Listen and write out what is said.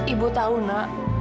ibu tahu nak